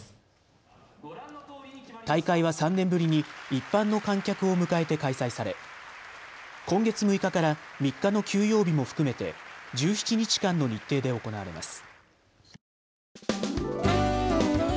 大会は３年ぶりに一般の観客を迎えて開催され今月６日から３日の休養日も含めて１７日間の日程で行われます。